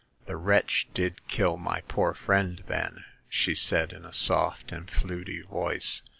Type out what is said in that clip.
The wretch did kill my poor friend, then, she said in a soft and fluty voice.